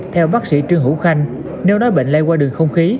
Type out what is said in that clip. theo bác sĩ trương hữu khanh nếu nói bệnh lây qua đường không khí